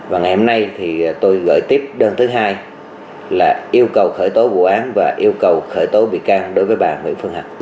và ngày hôm nay thì tôi gửi tiếp đơn thứ hai là yêu cầu khởi tố vụ án và yêu cầu khởi tố bị can đối với bà nguyễn phương hằng